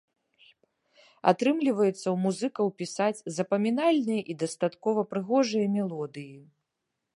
Атрымліваецца ў музыкаў пісаць запамінальныя і дастаткова прыгожыя мелодыі.